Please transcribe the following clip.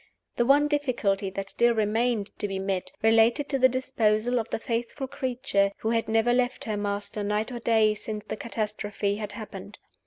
The one difficulty that still remained to be met related to the disposal of the faithful creature who had never left her master, night or day, since the catastrophe had happened.